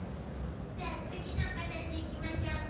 じゃあ次のカタチいきましょうか。